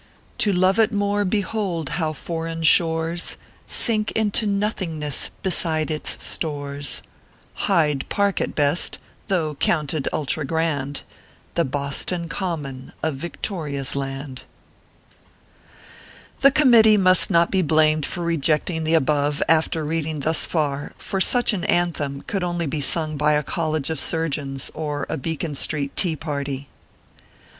To love it more behold how foreign shores Sink into nothingness beside its stores ; Hyde Park at best though counted ultra grand The " Boston Common" of Victoria s land The committee must not be blamed for rejecting the above, after reading thus far ; for such an " an them" could only be sung by a college of surgeons or a Beacon street tea party.